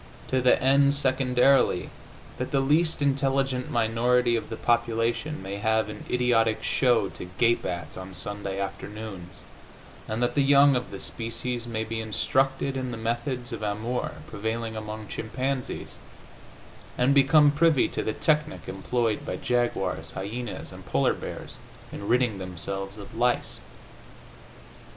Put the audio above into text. To the end, secondarily, that the least intelligent minority of the population may have an idiotic show to gape at on Sunday afternoons, and that the young of the species may be instructed in the methods of amour prevailing among chimpanzees and become privy to the technic employed by jaguars, hyenas and polar bears in ridding themselves of lice.